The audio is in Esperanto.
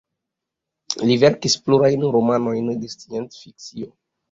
Li verkis pluraj romanojn de sciencfikcio.